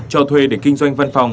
cho thuê để kinh doanh văn phòng